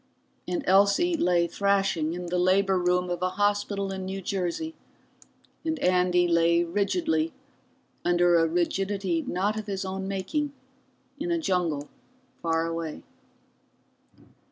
And Elsie lay thrashing in the labor room of a hospital in New Jersey, and Andy lay rigidly under a rigidity not of his own making in a jungle far away.